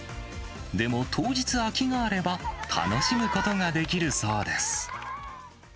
でも当日、空きがあれば、楽しむことができるそうです。